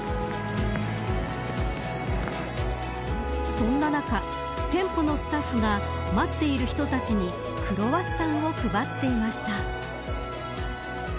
そんな中、店舗のスタッフが待っている人たちにクロワッサンを配っていました。